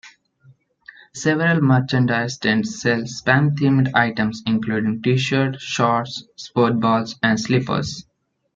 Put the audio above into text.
Several merchandise tents sell Spam-themed items including T-shirts, shorts, sport balls, and slippers.